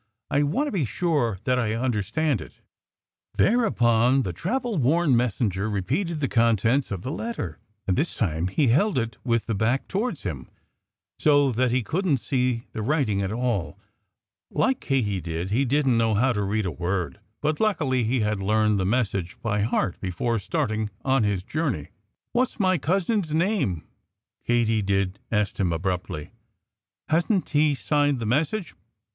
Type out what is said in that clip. I want to be sure that I understand it." Thereupon the travel worn messenger repeated the contents of the letter. And this time he held it with the back towards him, so that he couldn't see the writing at all. Like Kiddie Katydid, he didn't know how to read a word. But luckily he had learned the message by heart before starting on his journey. "What's my cousin's name?" Kiddie Katydid asked him abruptly. "Hasn't he signed the message?"